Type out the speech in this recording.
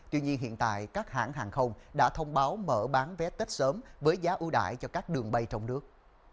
tuy nhiên hiện tại các hãng hàng không đã thông báo mở bán vé tết sớm với giá ưu đại cho các đường bay trong nước